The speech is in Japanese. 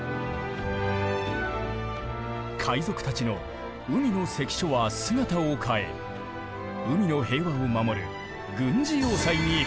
海賊たちの「海の関所」は姿を変え海の平和を守る軍事要塞に変貌。